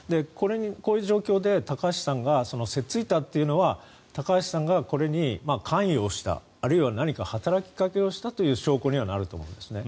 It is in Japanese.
こういう状況で高橋さんがせっついたというのは高橋さんがこれに関与をしたあるいは何か働きかけをしたという証拠にはなると思いますね。